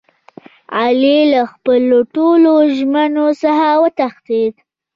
علي له خپلو ټولو ژمنو څخه و تښتېدا.